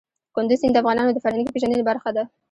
کندز سیند د افغانانو د فرهنګي پیژندنې برخه ده.